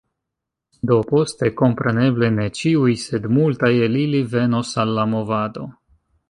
Do, poste, kompreneble, ne ĉiuj, sed multaj el ili venos al la movado.